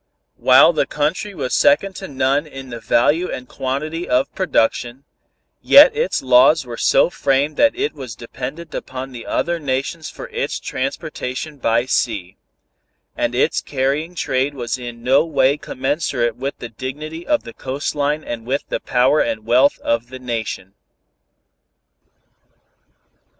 While the country was second to none in the value and quantity of production, yet its laws were so framed that it was dependent upon other nations for its transportation by sea; and its carrying trade was in no way commensurate with the dignity of the coast line and with the power and wealth of the Nation.